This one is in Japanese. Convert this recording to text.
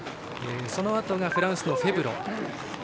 そのあとがフランスのフェブロ。